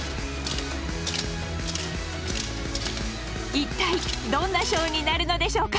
一体どんなショーになるのでしょうか？